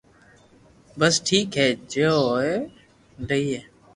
بس ٺيڪ ھي جي ھي ھوئي ليئي